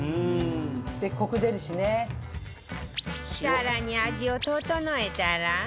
更に味を調えたら